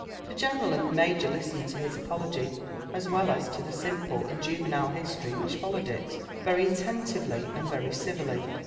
The general and the major listened to his apology, as well as to the simple and juvenile history which followed it, very attentively and very civilly.